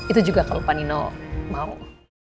itu juga kalau panino mau